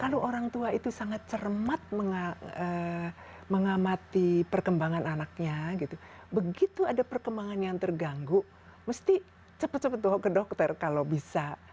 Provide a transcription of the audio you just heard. kalau orang tua itu sangat cermat mengamati perkembangan anaknya begitu ada perkembangan yang terganggu mesti cepat cepat ke dokter kalau bisa